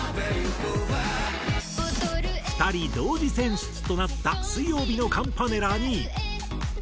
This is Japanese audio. ２人同時選出となった水曜日のカンパネラに。